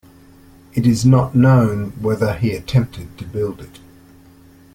It is not known whether he attempted to build it.